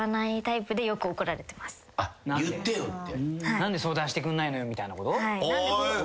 「何で相談してくんないのよ」みたいなこと？